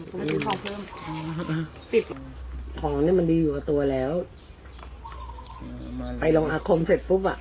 เพิ่มอ๋อของนี่มันดีกว่าตัวแล้วไปลงอาคมเสร็จปุ๊บอ่ะ